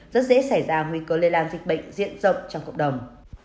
rất dễ xảy ra nguy cơ lây lan dịch bệnh diện rộng trong cộng đồng